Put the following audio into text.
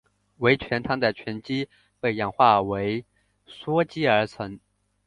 为醛糖的醛基被氧化为羧基而成。